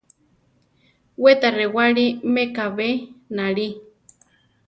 We ta rewáli mekabé náli.